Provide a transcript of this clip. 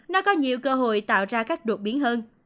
nó có nhiều cơ hội tạo ra các đột biến hơn